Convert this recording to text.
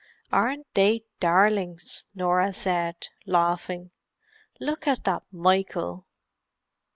"Aren't they darlings?" Norah said, laughing. "Look at that Michael!"